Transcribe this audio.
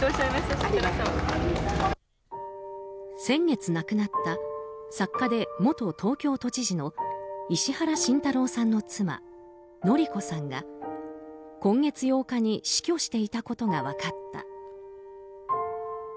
先月亡くなった作家で元東京都知事の石原慎太郎さんの妻・典子さんが今月８日に死去していたことが分かった。